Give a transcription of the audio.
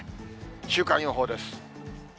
週間予報です。